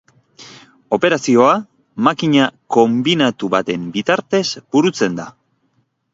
Operazioa makina konbinatu baten bitartez burutzen da.